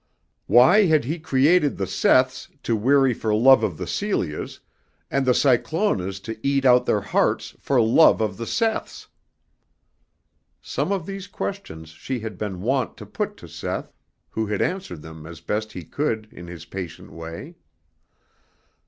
Why had He created the Seths to weary for love of the Celias and the Cyclonas to eat out their hearts for love of the Seths? Some of these questions she had been wont to put to Seth, who had answered them as best he could in his patient way.